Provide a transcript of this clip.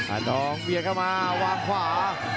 อันน้องเบียนเข้ามาวางขวา